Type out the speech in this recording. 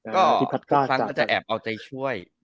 ก็สังคมก็จะแอบเอาใจช่วย